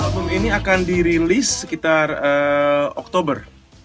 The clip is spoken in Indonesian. album ini akan dirilis sekitar oktober